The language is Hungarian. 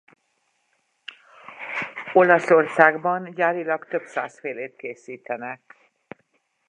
Olaszországban gyárilag több száz félét készítenek.